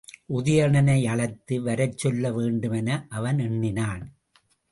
உதயணனை அழைத்து வரச் சொல்ல வேண்டுமென அவன் எண்ணினான்.